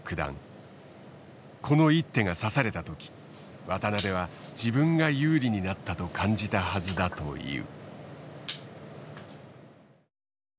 この一手が指された時渡辺は自分が有利になったと感じたはずだという。